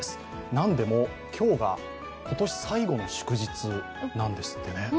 なんでも、今日が今年最後の祝日なんですってね。